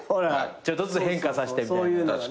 ちょっとずつ変化させてみたいな。